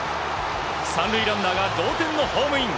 ３塁ランナーが同点のホームイン。